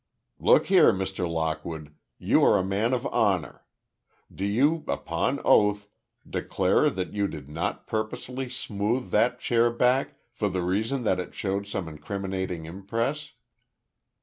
"Look here, Mr. Lockwood, you are a man of honor. Do you, upon oath, declare that you did not purposely smooth that chairback, for the reason that it showed some incriminating impress?"